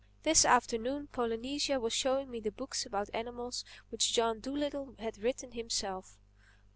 This afternoon Polynesia was showing me the books about animals which John Dolittle had written himself.